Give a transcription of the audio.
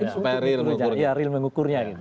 supaya real mengukurnya